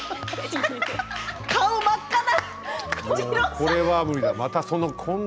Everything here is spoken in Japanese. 顔が真っ赤だ。